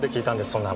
そんな話。